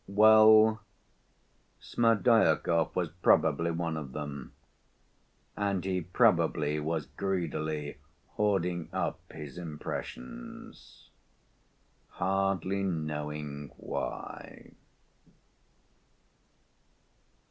Well, Smerdyakov was probably one of them, and he probably was greedily hoarding up his impressions, hardly knowing why.